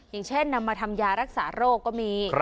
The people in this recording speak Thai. อย่างเช่นนำมาทำยารักษาโรคก็มี